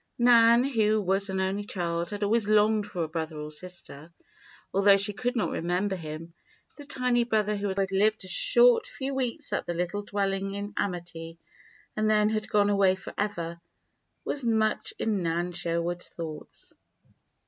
Nan, who was an only child, had always longed for a brother or sister. Although she could not remember him, the tiny brother who had lived a short few weeks at the "little dwelling in amity," and then had gone away forever, was much in Nan Sherwood's thoughts.